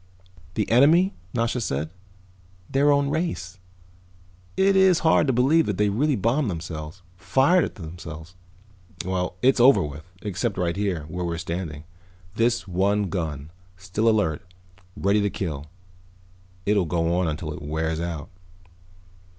"The enemy," Nasha said. "Their own race. It is hard to believe that they really bombed themselves, fired at themselves." "Well, it's over with. Except right here, where we're standing. This one gun, still alert, ready to kill. It'll go on until it wears out."